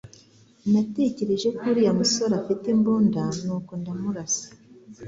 Natekereje ko uriya musore afite imbunda, nuko ndamurasa.